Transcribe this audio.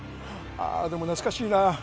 あー、でも懐かしいな。